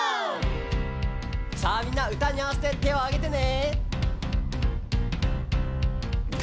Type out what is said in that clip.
さあみんなうたにあわせててをあげてね！